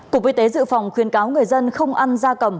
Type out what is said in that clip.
cục y tế dự phòng khuyên cáo người dân không ăn da cầm